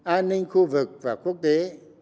an ninh khu vực và quốc tế